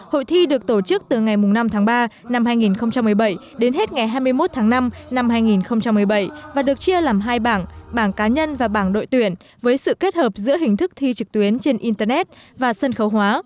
hội thi được tổ chức từ ngày năm tháng ba năm hai nghìn một mươi bảy đến hết ngày hai mươi một tháng năm năm hai nghìn một mươi bảy và được chia làm hai bảng bảng cá nhân và bảng đội tuyển với sự kết hợp giữa hình thức thi trực tuyến trên internet và sân khấu hóa